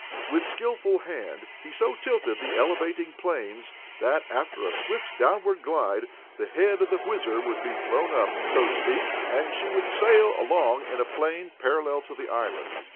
With skillful hand he so tilted the elevating planes that, after a swift downward glide, the head of the WHIZZER would be thrown up, so to speak, and she would sail along in a plane parallel to the island.